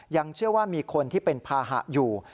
ยังเชื่อว่ามีคนที่เป็นภาหะอยู่